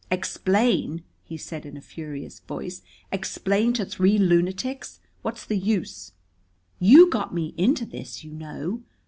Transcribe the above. "Explain!" he said in a furious voice. "Explain to three lunatics? What's the use?" "You got me into this, you know."